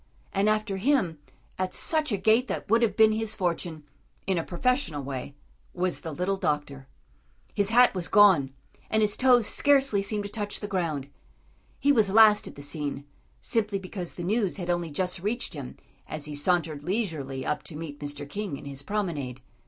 And after him, at such a gait that would have been his fortune, in a professional way, was the little doctor. His hat was gone, and his toes scarcely seemed to touch the ground. He was last at the scene, simply because the news had only just reached him as he sauntered leisurely up to meet Mr. King in his promenade.